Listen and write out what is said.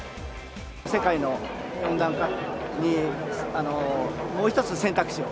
世界の温暖化にもう一つ選択肢を。